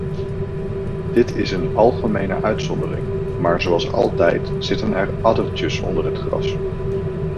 Dit is een algemene uitzondering, maar zoals altijd zitten er addertjes onder het gras.